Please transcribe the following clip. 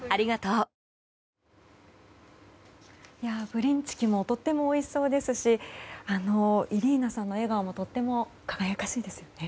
ブリンチキもとてもおいしそうですしイリーナさんの笑顔もとても輝かしいですね。